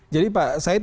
jadi pak said